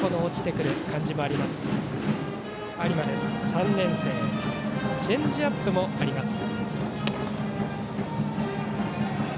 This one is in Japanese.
有馬、３年生チェンジアップもあります。